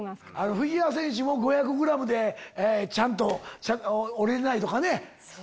フィギュア選手も５００ｇでちゃんと降りれないとかね。